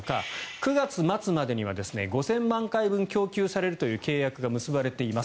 ９月末までには５０００万回分供給されるという契約がされています。